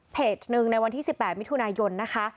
หนึ่งในวันที่๑๘มิถุนายนนะคะ